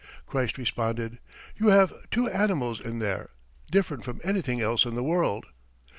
Christ responded, 'You have two animals in there, different from anything else in the world.'